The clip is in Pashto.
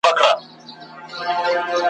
چي یې وږي خپل اولاد نه وي لیدلي `